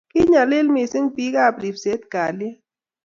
kiinyalil mising' biikab ribsetab kalye